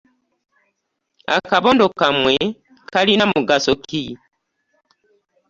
Akabondo kammwe kalina mugaso ki?